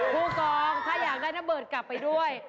พูกองถ้าอยากได้น้ำเบิร์ตกลับไปด้วย